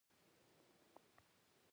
د بهرنۍ جاسوسۍ معافیت د الله دین چراغ دی.